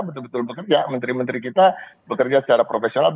betul betul bekerja menteri menteri kita bekerja secara profesional